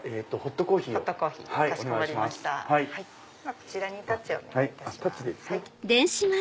こちらにタッチお願いします。